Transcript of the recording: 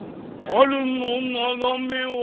「」「」「春の眺めは」